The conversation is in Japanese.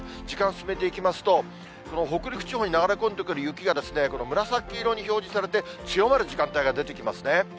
時間進めていきますと、北陸地方に流れ込んでくる雪が、この紫色に表示されて、強まる時間帯が出てきますね。